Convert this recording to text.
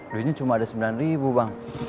duitnya cuma ada sembilan ribu bang